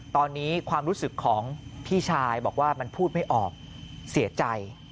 ตอนนี้ความรู้สึกของพี่ชายบอกว่ามันพูดไม่ออกเสียใจ